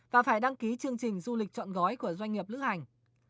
và phải đăng ký chương trình du lịch trọn gói của doanh nghiệp lưu hành